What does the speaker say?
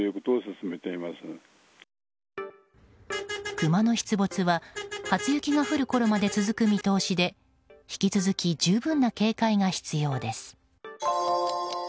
クマの出没は初雪が降るころまで続く見通しで引き続き、十分な警戒が必要です。